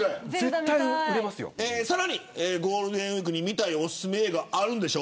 さらにゴールデンウイークにおすすめしたい映画あるんでしょ。